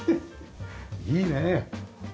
いいねえ。